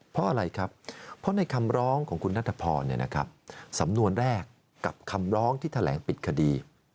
เพราะอะไรครับเพราะในคำร้องของคุณนัทพรสำนวนแรกกับคำร้องที่แถลงปิดคดี